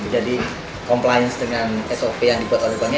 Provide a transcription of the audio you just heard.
compliance dengan sop yang dibuat oleh banknya